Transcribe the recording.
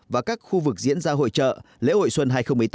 và các khu vực diễn ra hội trợ lễ hội xuân hai nghìn một mươi tám